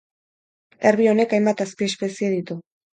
Erbi honek hainbat azpiespezie ditu.